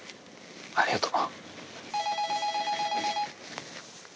ありがとう。